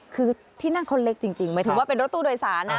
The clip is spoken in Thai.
คือที่นั่งเขาเล็กจริงหมายถึงว่าเป็นรถตู้โดยสารนะ